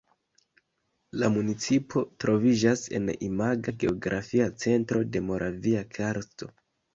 La municipo troviĝas en imaga geografia centro de Moravia karsto.